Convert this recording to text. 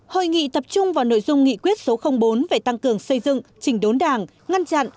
hội nghị tập trung vào nội dung nghị quyết số bốn về tăng cường xây dựng chỉnh đốn đảng ngăn chặn